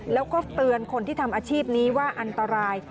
แล้วก็เตือนคนที่ทำอาชีพนี้ว่าอันตราย